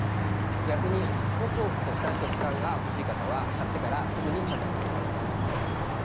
逆にホクホクとした食感が欲しい方は買ってからすぐに食べてください。